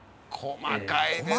細かいね。